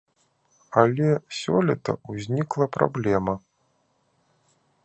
Але сёлета ўзнікла праблема.